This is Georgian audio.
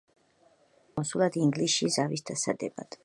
იგი დანიშნეს კონსულად ინგლისში ზავის დასადებად.